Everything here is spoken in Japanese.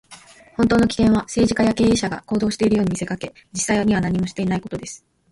本当の危険は、政治家や経営者が行動しているように見せかけ、実際には何もしていないことです。